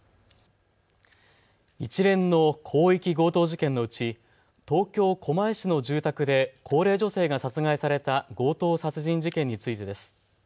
一連の広域強盗事件のうち東京狛江市の住宅で高齢女性が殺害された強盗殺人事件についてです。